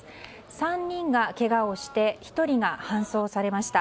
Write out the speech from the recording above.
３人がけがをして１人が搬送されました。